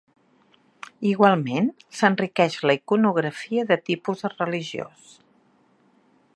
Igualment, s'enriqueix la iconografia de tipus religiós.